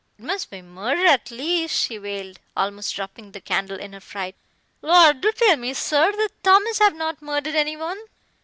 "It must be murder at least," she wailed, almost dropping the candle in her fright; "lor! do tell me, sir, that Thomas have not murdered anyone."